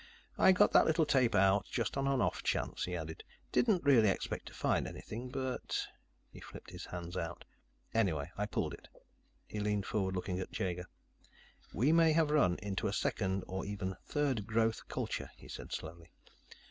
"I got that little tape out just on an off chance," he added. "Didn't really expect to find anything, but " He flipped his hands out. "Anyway, I pulled it." He leaned forward, looking at Jaeger. "We may have run into a second, or even third growth culture," he said slowly.